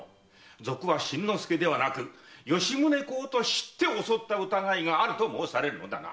賊は新之助ではなく吉宗公と知って襲った疑いがあると申されるのだな？